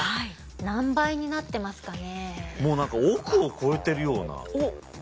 何倍になってますかね。